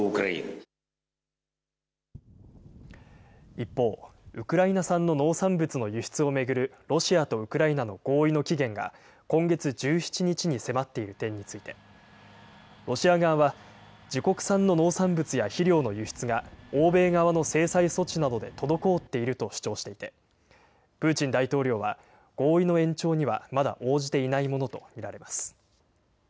一方、ウクライナ産の農産物の輸出を巡るロシアとウクライナの合意の期限が今月１７日に迫っている点について、ロシア側は自国産の農産物や肥料の輸出が欧米側の制裁措置などで滞っていると主張していて、プーチン大統領は合意の延長にはまだ応じていないものと見られます。